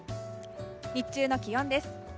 日中の気温です。